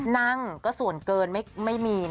นั่งก็ส่วนเกินไม่มี